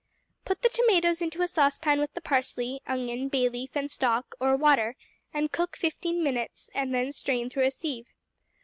Put the tomatoes into a saucepan with the parsley, onion, bay leaf, and stock, or water, and cook fifteen minutes, and then strain through a sieve.